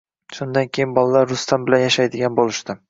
Shundan keyin bolalar Rustam bilan yashaydigan bo`lishdi